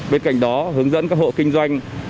bên cạnh đó hướng dẫn các hộ kinh doanh